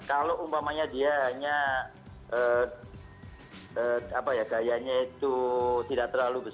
kalau umpamanya dia hanya apa ya gayanya itu tidak terlalu berbeda